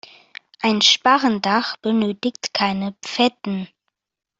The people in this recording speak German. Ein Sparrendach benötigt keine Pfetten.